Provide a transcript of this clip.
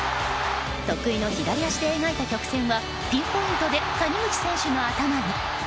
得意の左足で描いた曲線はピンポイントで谷口選手の頭に。